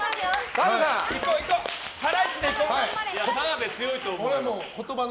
澤部強いと思うよ。